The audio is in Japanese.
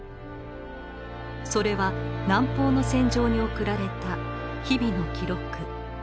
それは南方の戦場に送られた日々の記録。